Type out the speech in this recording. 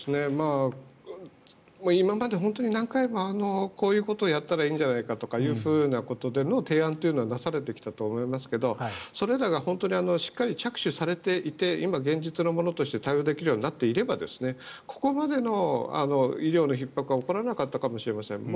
今まで本当に何回もこういうことをやったらいいんじゃないかということでの提案というのはなされてきたと思いますがそれらが本当にしっかり着手されていて現実のものとして対応できるようになっていればここまでの医療のひっ迫は起こらなかったかもしれません。